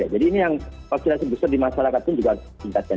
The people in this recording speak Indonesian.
jadi ini yang vaksinasi booster di masyarakat pun juga harus kita tingkatkan